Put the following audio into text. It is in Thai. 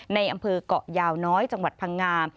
ในอำเภอกเกาะยาวน้อยจังหวัดพังงา